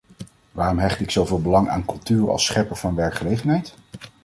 Waarom hecht ik zoveel belang aan cultuur als schepper van werkgelegenheid?